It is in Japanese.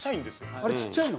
あれちっちゃいの？